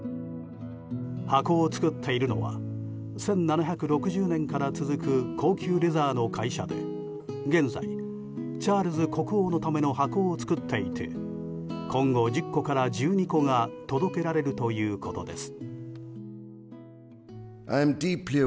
箱を作っているのは１７６０年から続く高級レザーの会社で現在、チャールズ国王のための箱を作っていて今後、１０個から１２個が届けられるということです。